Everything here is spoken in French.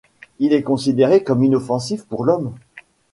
Il est considéré comme inoffensif pour l’homme.